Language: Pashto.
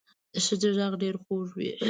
د ښځې غږ ډېر خوږ وي